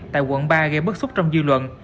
tại quận ba gây bất xúc trong dư luận